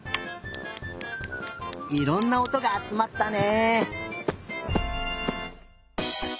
いろんなおとがあつまったね。